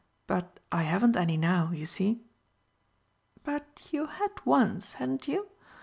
But I haven't any now, you see." "But you had once, hadn't you?